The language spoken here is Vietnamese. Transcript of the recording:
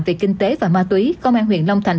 về kinh tế và ma túy công an huyện long thành